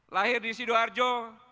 lahir di sidoarjo